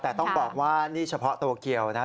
แต่ต้องบอกว่านี่เฉพาะโตเกียวนะ